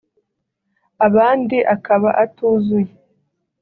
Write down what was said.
abandi akaba atuzuye